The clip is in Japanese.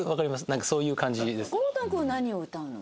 なんかそういう感じです。